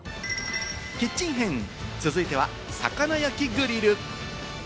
キッチン編、続いては魚焼きグリル。